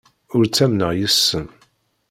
Ur ttamneɣ yes-sen.